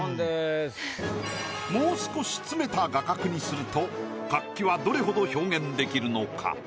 もう少し詰めた画角にすると活気はどれほど表現できるのか。